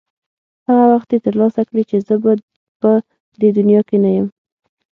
هغه وخت یې ترلاسه کړې چې زه به په دې دنیا کې نه یم.